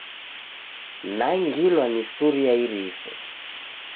Nangilwa ni suri ya iriso.